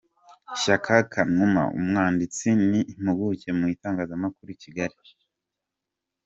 Shyaka Kanuma Umwanditsi ni impuguke mu itangazamakuru i Kigali